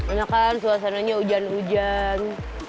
enak kan suasananya hujan hujan